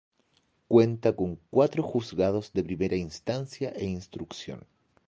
Cuenta con cuatro Juzgados de Primera Instancia e Instrucción.